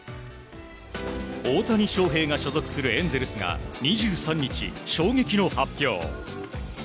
大谷翔平が所属するエンゼルスが２３日、衝撃の発表。